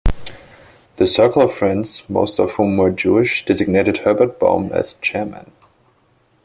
The circle of friends, most of whom were Jewish, designated Herbert Baum as chairman.